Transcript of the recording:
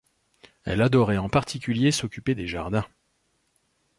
Elle adorait en particulier s’occuper des jardins.